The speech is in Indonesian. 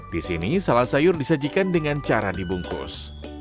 di sini salad sayur disajikan dengan cara dibungkus